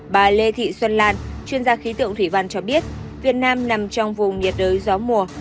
bà lê thị xuân lan chuyên gia khí tượng thủy văn cho biết việt nam nằm trong vùng nhiệt đới gió mùa